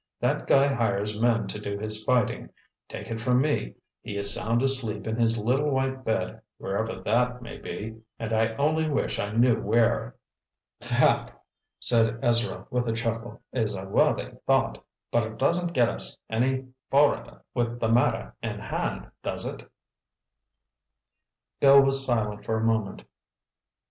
That guy hires men to do his fighting. Take it from me, he is sound asleep in his little white bed, wherever that may be—and I only wish I knew where!" "That," said Ezra with a chuckle, "is a worthy thought—but it doesn't get us any forrider with the matter in hand, does it?" Bill was silent for a moment.